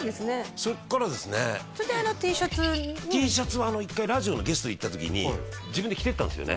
それであのＴシャツにＴシャツは１回ラジオのゲストで行った時に自分で着てったんですよね